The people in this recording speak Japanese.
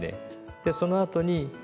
でそのあとに開く。